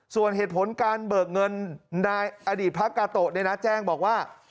ส่วนเหตุผลการเบิกเงินนายอดีตพระกาโตะเนี่ยนะแจ้งบอกว่า